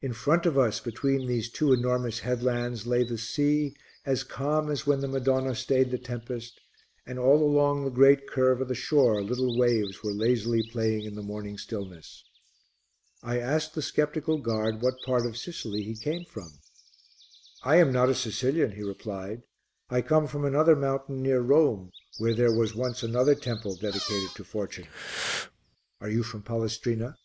In front of us, between these two enormous headlands, lay the sea as calm as when the Madonna stayed the tempest, and all along the great curve of the shore little waves were lazily playing in the morning stillness. I asked the sceptical guard what part of Sicily he came from. "I am not a Sicilian," he replied, "I come from another mountain near Rome where there was once another temple dedicated to Fortune." "Are you from Palestrina?"